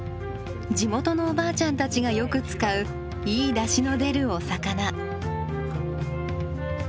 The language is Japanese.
地元のおばあちゃんたちがよく使ういいだしの出るお魚。